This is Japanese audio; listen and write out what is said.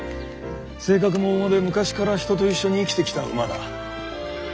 性格も温和で昔から人と一緒に生きてきた馬だ。